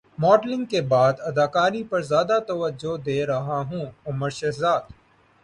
modelling کے بعد اداکاری پر زیادہ توجہ دے رہا ہوں عمر شہزاد